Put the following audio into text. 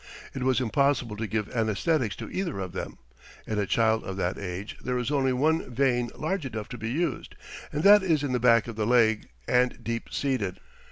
It was impossible to give anæsthetics to either of them. In a child of that age there is only one vein large enough to be used, and that is in the back of the leg, and deep seated.